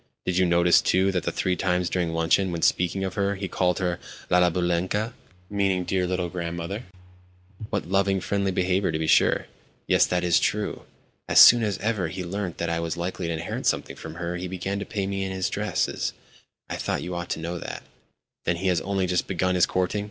Did you notice, too, that three times during luncheon, when speaking of her, he called her 'La Baboulenka'?. What loving, friendly behaviour, to be sure!" Dear little Grandmother. "Yes, that is true. As soon as ever he learnt that I was likely to inherit something from her he began to pay me his addresses. I thought you ought to know that." "Then he has only just begun his courting?